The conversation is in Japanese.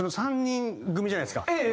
３人組じゃないですか